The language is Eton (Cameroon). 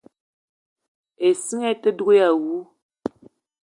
Issinga ite dug èè àwu